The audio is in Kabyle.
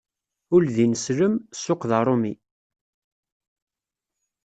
Ul d ineslem, ssuq d aṛumi.